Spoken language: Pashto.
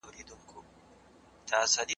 نړيوالې اړيکې د دې څانګې بنسټيزه برخه ده.